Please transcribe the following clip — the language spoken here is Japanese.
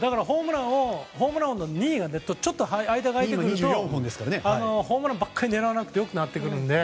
ホームラン王の２位とはちょっと間が空いてくるとホームランばっかり狙わなくて良くなってくるので。